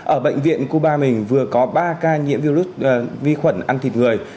ở bệnh viện cuba mình vừa có ba ca nhiễm virus vi khuẩn ăn thịt người